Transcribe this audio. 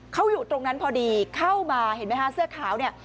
เขาอยู่ตรงนั้นพอดีเข้ามาเห็นไหมคะเสื้อขาวเนี่ย